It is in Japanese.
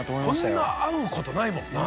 こんな合うことないもんな。